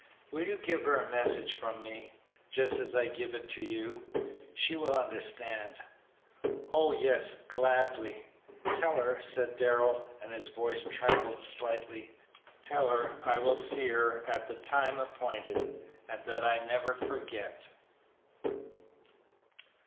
"Will you give her a message from me, just as I give it to you? She will understand." "Oh, yes; gladly." "Tell her," said Darrell, and his voice trembled slightly, "I remember her. Tell her I will see her 'at the time appointed;' and that I never forget!"